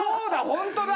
本当だ。